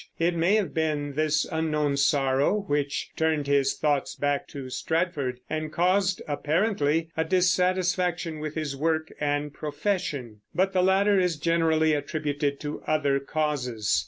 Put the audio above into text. It may have been this unknown sorrow which turned his thoughts back to Stratford and caused, apparently, a dissatisfaction with his work and profession; but the latter is generally attributed to other causes.